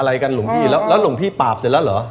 อะไรกันหลวงพี่แล้วหลวงพี่ปราบเสร็จแล้วเหรอ